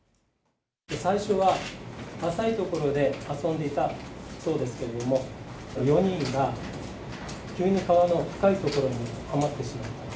最初は浅い所で遊んでいたそうですけれども、４人が急に川の深い所にはまってしまった。